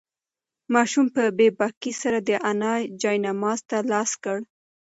ماشوم په بې باکۍ سره د انا جاینماز ته لاس کړ.